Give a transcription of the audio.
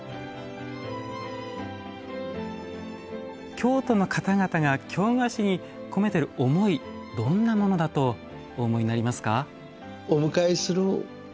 京都の方々が京菓子に込めてる思いどんなものだとお思いになりますか？